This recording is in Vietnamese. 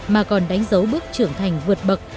mà còn đánh dấu bước trưởng thành vượt bậc